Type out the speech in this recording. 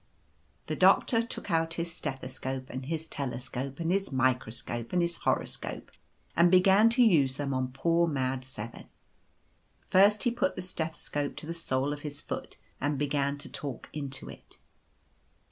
" The Doctor took out his stethoscope, and his tele scope, and his microscope, and his horoscope, and began to use them on poor mad 7. " First he put the stethoscope to the sole of his foot, and began to talk into it.